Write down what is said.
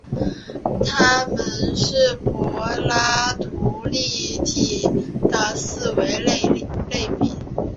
它们是柏拉图立体的四维类比。